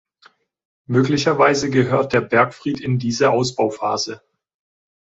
Möglicherweise gehört der Bergfried in diese Ausbauphase.